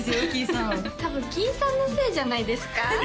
さん多分キイさんのせいじゃないですか？